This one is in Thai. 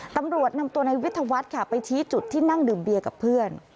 ตำรวจนำตัวในวิทยาวัฒน์ค่ะไปชี้จุดที่นั่งดื่มเบียร์กับเพื่อน